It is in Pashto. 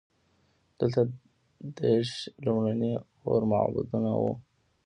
دلته د زردشت لومړني اور معبدونه وو